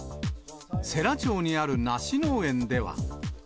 世羅町にあるナシ農園では。